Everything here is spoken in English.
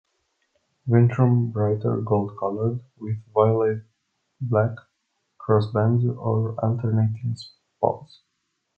Ventrum brighter gold-colored, with violet-black crossbands or alternating spots.